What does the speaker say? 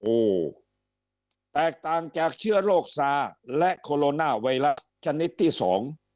โอ้แตกต่างจากเชื้อโรคซาและโคโรนาไวรัสชนิดที่สอง